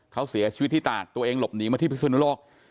เขาเสียชีวิตที่ตากตัวเองหลบหนีมาที่พิสุนุโลก